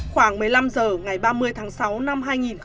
khoảng một mươi năm h ngày ba mươi tháng sáu năm hai nghìn một mươi chín